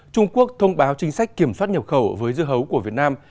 trung quốc thông báo chính sách kiểm soát nhập khẩu với dưa hấu của việt nam